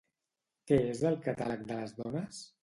Què és el Catàleg de les dones?